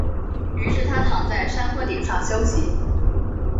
于是他躺在山坡顶上休息。